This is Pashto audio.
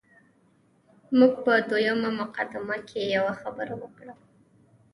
موږ په دویمه مقدمه کې یوه خبره وکړه.